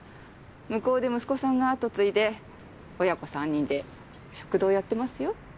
向こうで息子さんが後継いで親子３人で食堂やってますよ。